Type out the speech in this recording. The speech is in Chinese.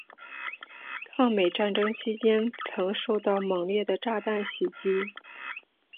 抗美战争期间曾受到猛烈的炸弹袭击。